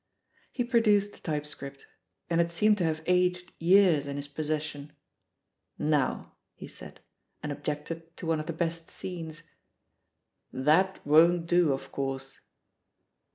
He produced the typescript — and it seemed to have aged years in his possession. "Now," he said, and objected to one of the best scenes ; "that won't do, of course."